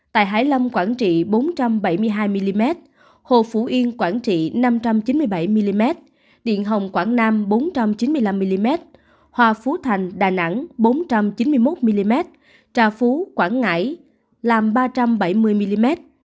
tại hải lâm quảng trị bốn trăm bảy mươi hai mm hồ phú yên quảng trị năm trăm chín mươi bảy mm điện hồng quảng nam bốn trăm chín mươi năm mm hòa phú thành đà nẵng bốn trăm chín mươi một mm trà phú quảng ngãi làm ba trăm bảy mươi mm